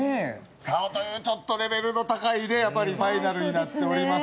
さあというちょっとレベルの高いねファイナルになっておりますが。